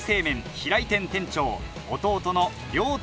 平井店店長